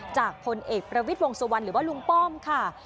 พลเอกประวิทย์วงสุวรรณหรือว่าลุงป้อมค่ะ